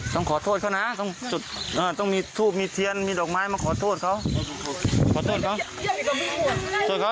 ต้องขอโทษเขานะต้องจุดต้องมีทูบมีเทียนมีดอกไม้มาขอโทษเขาขอโทษเขา